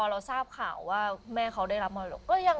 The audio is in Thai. พอเราทราบข่าวว่าแม่เขาได้รับมันทุกอย่าง